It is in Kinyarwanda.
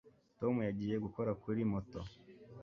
Tom yagiye gukora kuri moto